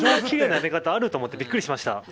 きれいなやめ方ある？と思ってびっくりしました。